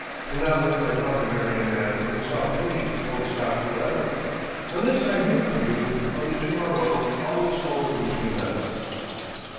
Cannot let my daughter marry a man who puts off paying for gold stock forever. Unless I hear from you with money to morrow, all is over between us.